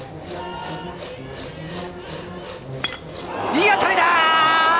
いい当たりだ！